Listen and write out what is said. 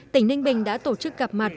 tỉnh ninh bình đã tổ chức gặp mặt